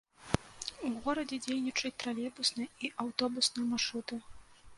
У горадзе дзейнічаюць тралейбусныя і аўтобусныя маршруты.